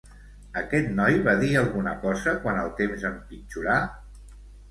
Aquest noi va dir alguna cosa quan el temps empitjorà?